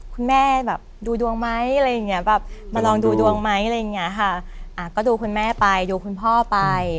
คุณแม่แบบดูดวงไหมอะไรอย่างเงี้ยแบบมาลองดูดวงไหมอะไรอย่างเงี้ยค่ะก็ดูคุณแม่ไปดูคุณพ่อไป